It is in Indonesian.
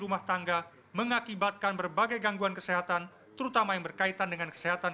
rumah tangga mengakibatkan berbagai gangguan kesehatan terutama yang berkaitan dengan kesehatan